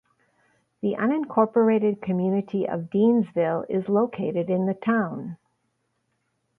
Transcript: The unincorporated community of Deansville is located in the town.